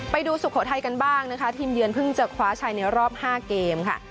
สุโขทัยกันบ้างนะคะทีมเยือนเพิ่งจะคว้าชัยในรอบ๕เกมค่ะ